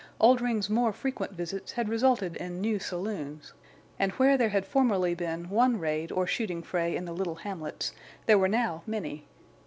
Oldring's more frequent visits had resulted in new saloons, and where there had formerly been one raid or shooting fray in the little hamlets there were now many.